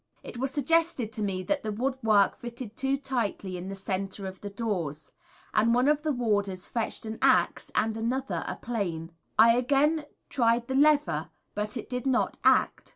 It was suggested to me that the woodwork fitted too tightly in the centre of the doors, and one of the warders fetched an axe and another a plane. I again tried the lever but it did not act.